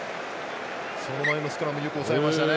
その前のスクラムよく抑えましたね。